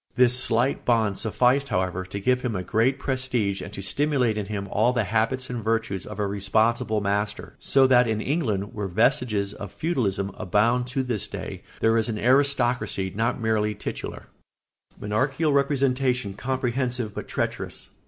This slight bond sufficed, however, to give him a great prestige and to stimulate in him all the habits and virtues of a responsible master; so that in England, where vestiges of feudalism abound to this day, there is an aristocracy not merely titular. [Sidenote: Monarchical representation comprehensive but treacherous.